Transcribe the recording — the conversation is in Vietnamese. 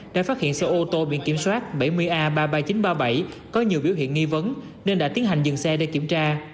đã phát hiện xe ô tô biển kiểm soát bảy mươi a ba mươi ba nghìn chín trăm ba mươi bảy có nhiều biểu hiện nghi vấn nên đã tiến hành dừng xe để kiểm tra